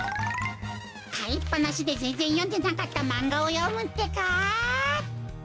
かいっぱなしでぜんぜんよんでなかったマンガをよむってか。